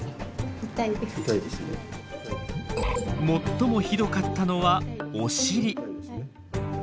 最もひどかったのはお尻。